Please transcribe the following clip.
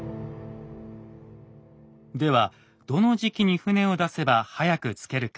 ではどの時期に船を出せば早く着けるか。